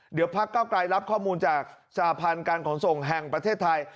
เดี๋ยวพักเก้าไกรรับข้อมูลจากสหพันธ์การขนส่งแห่งประเทศไทย